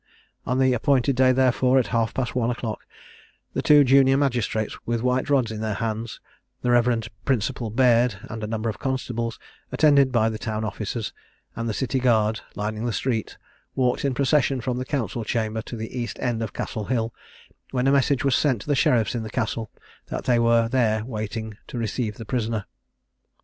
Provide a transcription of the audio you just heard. On the appointed day, therefore, at half past one o'clock, the two junior magistrates, with white rods in their hands, the Rev. Principal Baird, and a number of constables, attended by the town officers, and the city guard lining the streets, walked in procession from the Council chamber to the east end of Castle hill, when a message was sent to the sheriffs in the Castle, that they were there waiting to receive the prisoner.